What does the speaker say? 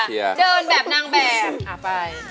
เดินแบบนางแบบไป